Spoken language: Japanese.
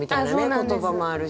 言葉もあるし。